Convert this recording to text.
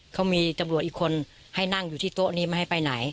เขามีตำรวจอีกคนให้นั่งอยู่ที่โต๊ะนี้ไม่ให้ไปไหน